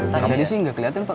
tadi sih nggak kelihatan pak